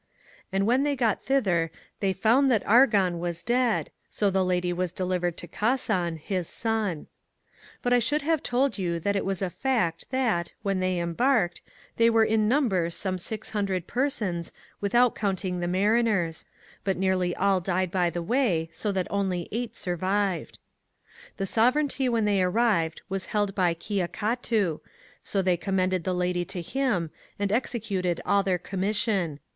And when they got thither they found that Argon was dead, so the Lady was delivered to Casan, his son. But I should have told you that it is a fact that, when they embarked, they were in number some 600 persons, without counting the mariners ; but nearly all died by the way, so that only eight survived.^ The sovereignty when they arrived was held by Kia CATU, so they commended the Lady to him, and executed all their commission.